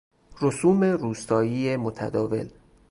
رسوم روستایی متداول